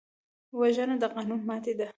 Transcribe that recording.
وژنه د قانون ماتې ده